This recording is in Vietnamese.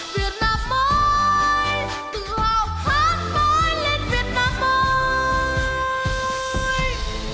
việt nam ơi việt nam ơi